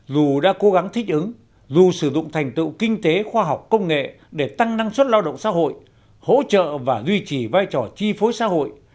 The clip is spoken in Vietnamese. dù đã cố gắng thích ứng dù sử dụng thành tựu kinh tế khoa học công nghệ để tăng năng suất lao động xã hội hỗ trợ và duy trì vai trò chi phối xã hội